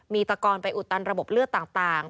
มีตะกอนไปอุดตันระบบเลือดต่าง